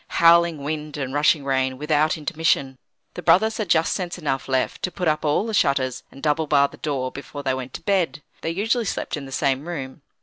Howling wind and rushing rain, without intermission. The brothers had just sense enough left to put up all the shutters, and double bar the door, before they went to bed. They usually slept in the same room.